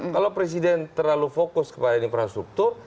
kalau presiden terlalu fokus kepada infrastruktur